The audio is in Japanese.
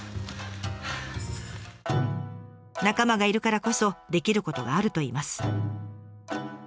仲間がいるからこそできることがあるといいます。